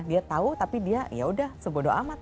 dia tahu tapi dia ya udah sebodoh amat